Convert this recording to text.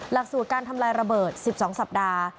หลักสูตรการทำลายระเบิด๑๒สัปดาห์